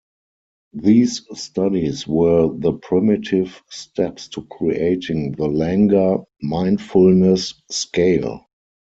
These studies were the primitive steps to creating the Langer Mindfulness Scale.